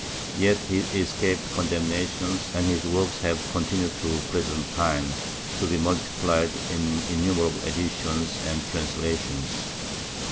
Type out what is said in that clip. Yet he escaped condemnation and his works have con tinued to the present time to be multiplied in innumerable editions and translations.'